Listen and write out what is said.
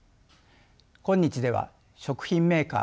今日では食品メーカー